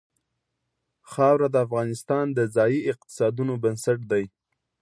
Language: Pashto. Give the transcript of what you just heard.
خاوره د افغانستان د ځایي اقتصادونو بنسټ دی.